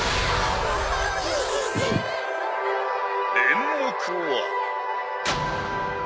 演目は。